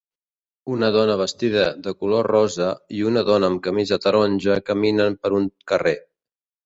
Una dona vestida de color rosa i una dona amb camisa taronja caminen per un carrer.